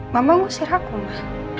mama ngusir aku ma